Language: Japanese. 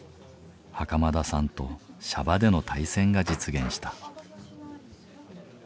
袴田さんと娑婆での対戦が実現した。